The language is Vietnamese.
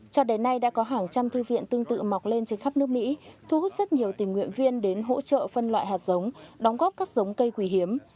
cho đến nay đã có hàng trăm thư viện tương tự mọc lên trên khắp nước mỹ thu hút rất nhiều tình nguyện viên đến hỗ trợ phân loại hạt giống đóng góp các giống cây quý hiếm